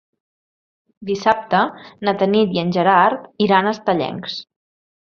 Dissabte na Tanit i en Gerard iran a Estellencs.